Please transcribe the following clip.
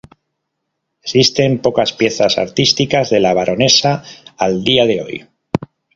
Existen pocas piezas artísticas de la baronesa al día de hoy.